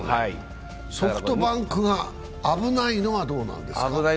ソフトバンクが危ないのはどうですか。